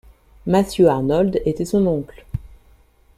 Matthew Arnold était son oncle.